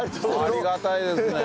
ありがたいです。